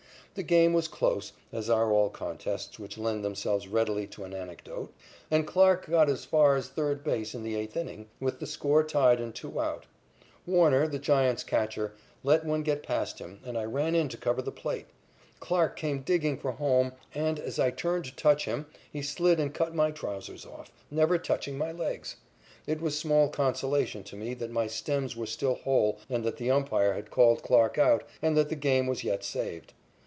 The game was close, as are all contests which lend themselves readily to an anecdote, and Clarke got as far as third base in the eighth inning, with the score tied and two out. Warner, the Giants' catcher, let one get past him and I ran in to cover the plate. Clarke came digging for home and, as I turned to touch him, he slid and cut my trousers off, never touching my legs. It was small consolation to me that my stems were still whole and that the umpire had called Clarke out and that the game was yet saved.